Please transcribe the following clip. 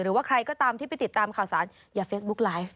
หรือว่าใครก็ตามที่ไปติดตามข่าวสารอย่าเฟซบุ๊กไลฟ์